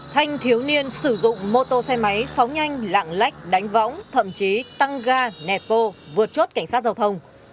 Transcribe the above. thanh thiếu niên sử dụng mô tô xe máy phóng nhanh lạng lách đánh võng thậm chí tăng ga nẹt vô vượt chốt cảnh sát giao thông